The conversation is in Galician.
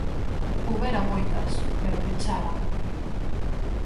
Houbera moitas, pero pecharan.